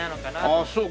ああそう。